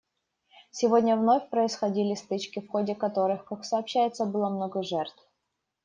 Сегодня вновь происходили стычки, в ходе которых, как сообщается, было много жертв.